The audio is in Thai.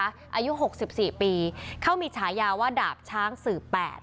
อายุ๖๔ปีเขามีฉายาว่าดาบช้างสื่อแปด